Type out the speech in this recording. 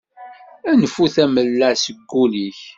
Nfu tamella seg ul-ik!